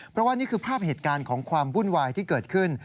เพราะว่านี่คือภาพเหตุการณ์ของความวุ่นวายที่เกิดขึ้น